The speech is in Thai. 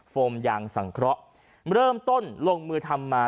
โมมยางสังเคราะห์เริ่มต้นลงมือทำมา